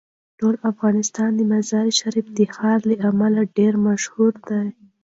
ټول افغانستان د مزارشریف د ښار له امله ډیر مشهور دی.